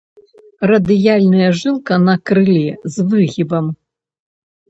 Радыяльная жылка на крыле з выгібам.